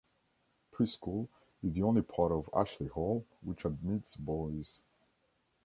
Pre-school is the only part of Ashley Hall which admits boys.